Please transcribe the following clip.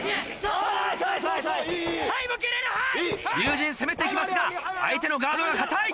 龍心攻めて行きますが相手のガードが堅い。